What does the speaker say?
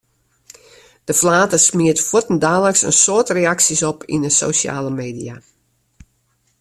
De flater smiet fuortendaliks in soad reaksjes op yn de sosjale media.